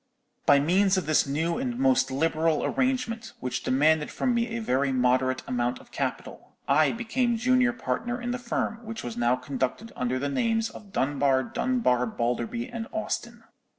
"By means of this new and most liberal arrangement, which demanded from me a very moderate amount of capital, I became junior partner in the firm, which was now conducted under the names of Dunbar, Dunbar, Balderby, and Austin.